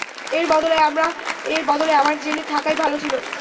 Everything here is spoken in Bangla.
এর বদলে আমার জেলে থাকাই ভালো ছিল।